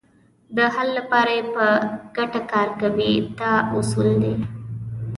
د حل لپاره یې په ګټه کار کوي دا اصول دي.